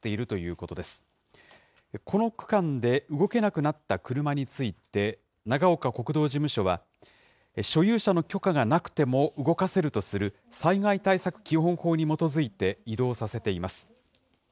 この区間で動けなくなった車について、長岡国道事務所は、所有者の許可がなくても動かせるとする、災害対策基本法に基づいて移動させています。